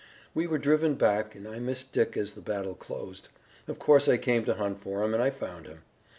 We were driven back and I missed Dick as the battle closed. Of course I came to hunt for him, and I found him.